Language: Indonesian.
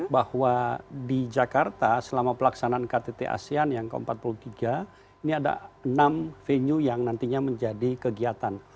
bahwa di jakarta selama pelaksanaan ktt asean yang ke empat puluh tiga ini ada enam venue yang nantinya menjadi kegiatan